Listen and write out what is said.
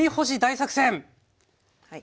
はい。